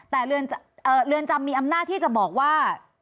แต่เรือนจำมีอำนาจที่จะบอกว่า